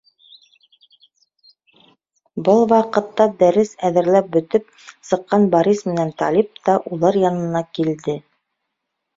Был ваҡытта дәрес әҙерләп бөтөп сыҡҡан Борис менән Талип та улар янына килде.